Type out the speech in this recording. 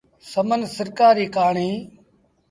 سمن سرڪآر ريٚ ڪهآڻي۔